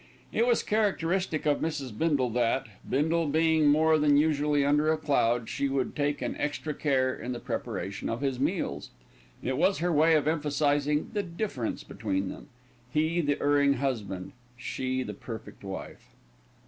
It was characteristic of Mrs. Bindle that, Bindle being more than usually under a cloud, she should take extra care in the preparation of his meals. It was her way of emphasising the difference between them; he the erring husband, she the perfect wife.